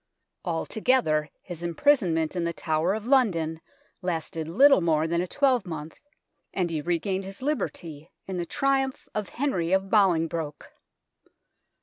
Altogether his imprisonment in the Tower of London lasted little more than a twelvemonth, and he regained his liberty in the triumph of Henry of Bolingbroke.